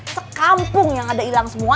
sekampung yang ada hilang semua